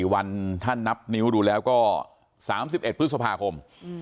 ๔วันถ้านับนิ้วดูแล้วก็๓๑พฤษภาคม